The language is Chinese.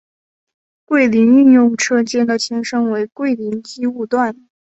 桂林运用车间的前身为桂林机务段。